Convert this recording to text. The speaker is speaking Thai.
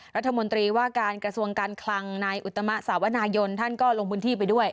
รัฐมนตรีว่าการกระทรวงการคลังนายอุตมะสาวนายนท่านก็ลงพื้นที่ไปด้วย